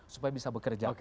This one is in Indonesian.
supaya bisa bekerja